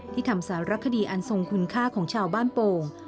ทำสารคดีอันทรงคุณค่าของชาวบ้านโป่ง